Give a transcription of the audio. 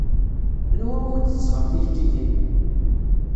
Anwa umi d-tesɣam tijeǧǧigin?